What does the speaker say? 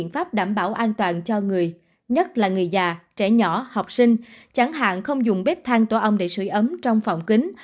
các địa phương sớm chủ động triển khai các biện pháp đảm bảo an toàn cho người nhất là người già trẻ nhỏ học sinh chẳng hạn không dùng bếp thang tổ ong để sửa ấm trong phòng kính